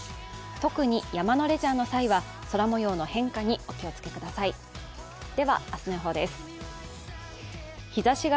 特に山のレジャーの際は空模様の変化にお気をつけください。え？